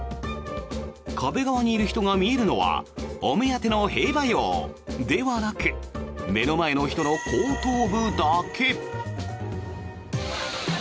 壁側にいる人が見るのはお目当ての兵馬俑ではなく目の前の人の後頭部だけ。